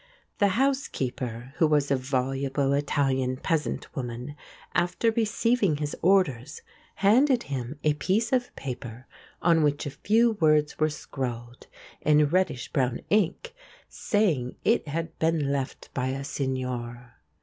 The housekeeper, who was a voluble Italian peasant woman, after receiving his orders, handed him a piece of paper on which a few words were scrawled in reddish brown ink, saying it had been left by a Signore.